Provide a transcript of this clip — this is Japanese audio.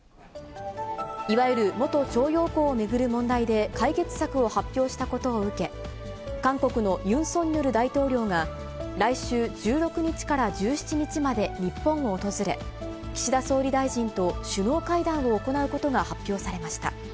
いわゆる元徴用工を巡る問題で解決策を発表したことを受け、韓国のユン・ソンニョル大統領が、来週１６日から１７日まで日本を訪れ、岸田総理大臣と首脳会談を行うことが発表されました。